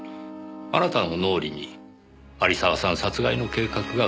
あなたの脳裏に有沢さん殺害の計画が浮かんだ。